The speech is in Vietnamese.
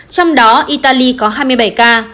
trong đó italy có hai mươi bảy ca